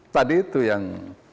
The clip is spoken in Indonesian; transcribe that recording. tadi itu yang